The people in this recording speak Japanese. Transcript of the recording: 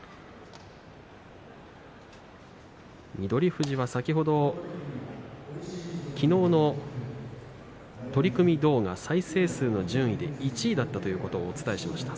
富士が先ほどの昨日の取組動画再生数の順位１位だったということをお伝えしました。